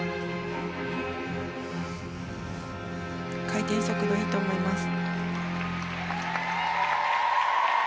回転速度いいと思います。